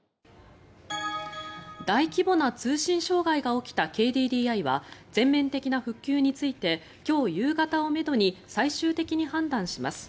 大規模な通信障害が起きたＫＤＤＩは全面的な復旧について今日夕方をめどに最終的に判断します。